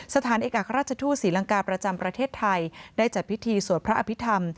สถานเอกอัครราชทูตศรีลังกาประจำประเทศไทยได้จัดพิธีสวดพระอภิษฐรรม